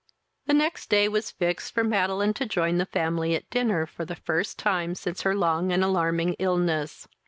The next day was fixed for Madeline to join the family at dinner, for the first time since her long and alarming illness.